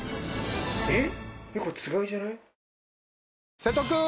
えっ？